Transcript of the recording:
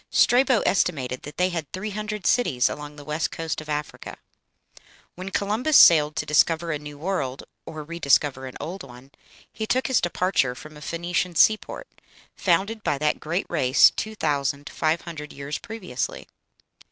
Strabo estimated that they had three hundred cities along the west coast of Africa. When Columbus sailed to discover a new world, or re discover an old one, he took his departure from a Phoenician seaport, founded by that great race two thousand five hundred years previously.